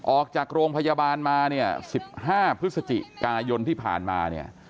ออกจากโรงพยาบาลมา๑๕พฤศจิกายนที่ผ่านมา